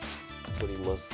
取ります。